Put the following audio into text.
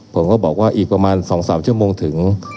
ผมก็บอกว่าอีกประมาณ๒๓ชั่วโมงถึง